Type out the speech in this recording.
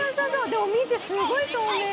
でも見てすごい透明。